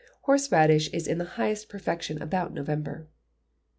Horseradish is in the highest perfection about November.